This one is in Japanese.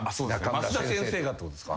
マスダ先生がってことですか？